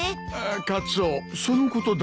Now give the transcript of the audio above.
カツオそのことだが。